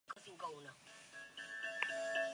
Aurrena maisu ikasketak egin zituen.